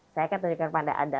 saya akan tunjukkan kepada anda